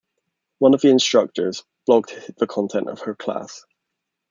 One of the instructors blogged the content of her class.